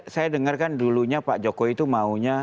saya dengarkan dulunya pak jokowi itu maunya